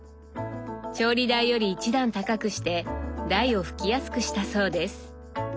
調理台より１段高くして台を拭きやすくしたそうです。